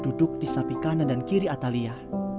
duduk di sapi kanan dan kiri atalia